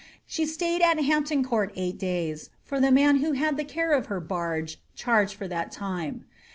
She ^taid at Hampton Court eight days, for the man who had the care if her bai^e chai^ged for that time.